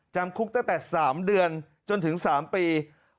จำคุกตั้งแต่๓เดือนจนถึง๓ปี